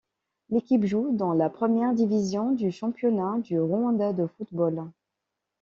L'équipe joue dans la première division du championnat du Rwanda de football.